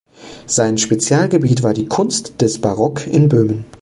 Sein Spezialgebiet war die Kunst des Barock in Böhmen.